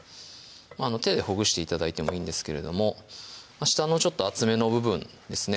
手でほぐして頂いてもいいんですけれども下のちょっと厚めの部分ですね